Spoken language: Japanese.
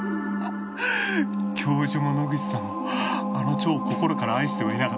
教授も野口さんもあの蝶を心から愛してはいなかった。